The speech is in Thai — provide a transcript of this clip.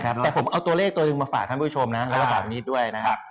แต่ผมเอาตัวเลขตัวนึงมาฝากท่านผู้ชมนะรัฐบาลพิมพ์นี้ด้วยนะ